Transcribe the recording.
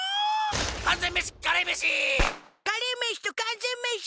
完全メシカレーメシカレーメシと完全メシ